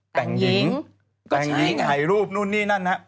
แต่งหญิงหายรูปนู่นนี่นั่นนะฮะ